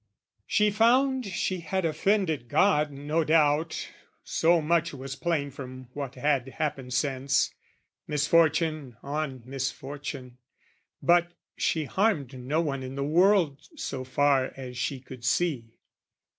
She found she had offended God no doubt, So much was plain from what had happened since, Misfortune on misfortune; but she harmed No one i' the world, so far as she could see.